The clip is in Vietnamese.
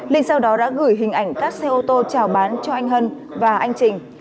linh sau đó đã gửi hình ảnh các xe ô tô trào bán cho anh hân và anh trình